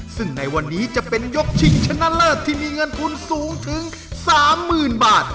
ซึ่งในวันนี้จะเป็นยกชิงชนะเลิศที่มีเงินทุนสูงถึง๓๐๐๐บาท